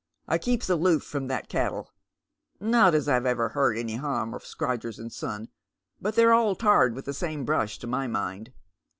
I keeps aloof from that cattle. Not as I've ever heard any harm of Scrodgers and Son, but they're all tarred with the same brush, to my mind.